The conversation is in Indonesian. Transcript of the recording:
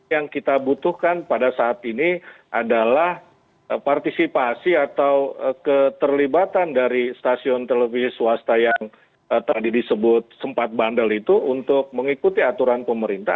yang kita butuhkan pada saat ini adalah partisipasi atau keterlibatan dari stasiun televisi swasta yang tadi disebut sempat bandel itu untuk mengikuti aturan pemerintah